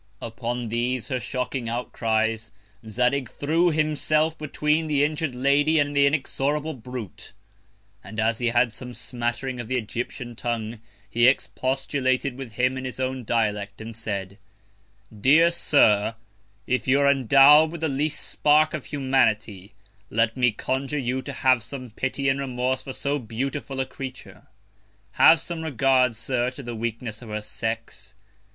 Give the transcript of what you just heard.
Upon these her shocking Outcries, Zadig threw himself between the injur'd Lady and the inexorable Brute. And as he had some smattering of the Egyptian Tongue, he expostulated with him in his own Dialect, and said: Dear Sir, if you are endow'd with the least Spark of Humanity, let me conjure you to have some Pity and Remorse for so beautiful a Creature; have some Regard, Sir, to the Weakness of her Sex.